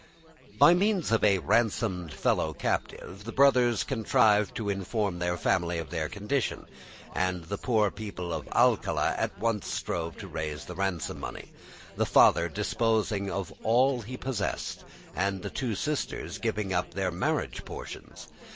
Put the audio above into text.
By means of a ransomed fellow captive the brothers contrived to inform their family of their condition, and the poor people at Alcala at once strove to raise the ransom money, the father disposing of all he possessed, and the two sisters giving up their marriage portions.